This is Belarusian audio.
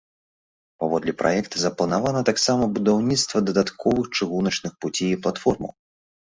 Паводле праекта запланавана таксама будаўніцтва дадатковых чыгуначных пуцей і платформаў.